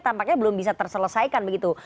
tampaknya belum bisa terselesaikan begitu